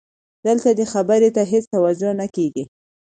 دلته دې خبرې ته هېڅ توجه نه کېږي.